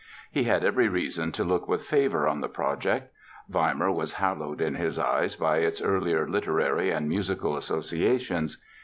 He had every reason to look with favor on the project. Weimar was hallowed in his eyes by its earlier literary and musical associations.